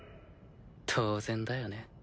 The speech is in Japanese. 当然だよね。